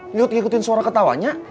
lu ikutin suara ketawanya